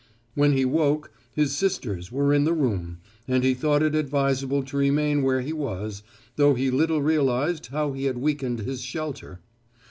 When he woke, his sisters were in the room, and he thought it advisable to remain where he was, though he little realized how he had weakened his shelter.